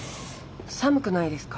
寒くないですか？